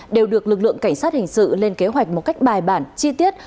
đều được lực lượng cảnh sát hình sự lên kế hoạch một cách bài bản chi tiết